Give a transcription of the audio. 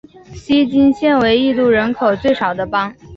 锡金现为印度人口最少的邦。